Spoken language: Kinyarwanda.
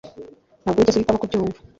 Ntabwo wigeze uhitamo kubyumva